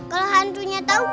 kalau hantunya tau